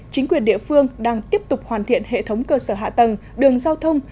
chính quyền địa phương đang tiếp tục hoàn thiện hệ thống cơ sở hạ tầng đường giao thông